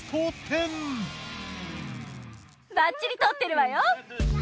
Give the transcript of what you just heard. ばっちり撮ってるわよ。